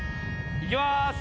いきまーす。